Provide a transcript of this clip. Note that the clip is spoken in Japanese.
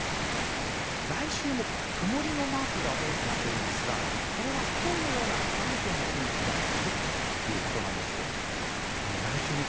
来週も曇りのマークが多くなっているんですがこれは今日のような不安定な天気が「ワイド！